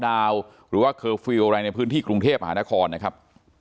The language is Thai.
โน๊กดาวน์หรือว่าเคอร์ฟรีวอะไรในพื้นที่กรุงเทพย์อหานครนะครับ